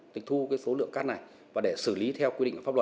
tịch thu số lượng cát này và để xử lý theo quy định của pháp luật